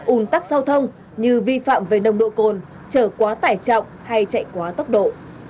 ủn tắc giao thông như vi phạm về nồng độ cồn trở quá tải trọng hay chạy quá tốc độ